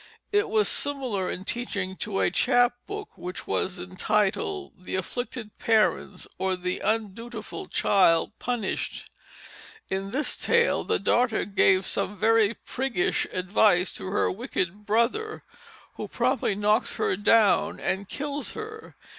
It was similar in teaching to a chap book which was entitled The Afflicted Parents, or the Undutiful Child Punished. In this tale the daughter gave some very priggish advice to her wicked brother, who promptly knocks her down and kills her.